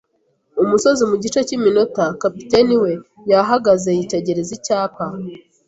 umusozi mu gice cy'iminota. Kapiteni we, yahagaze yitegereza icyapa